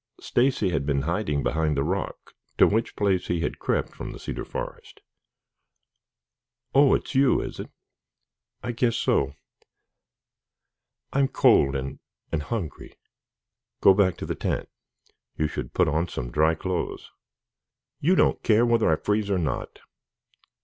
Stacy had been hiding behind the rock, to which place he had crept from the cedar forest. "Oh, it's you, is it?" "I guess so. I'm cold and and hungry." "Go back to the tent. You should put on some dry clothes." "You don't care whether I freeze or not.